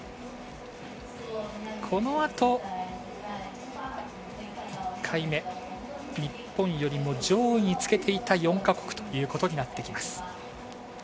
このあと、１回目、日本よりも上位につけていた４カ国ということになっています。